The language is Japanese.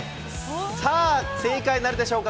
さあ、正解なるでしょうか。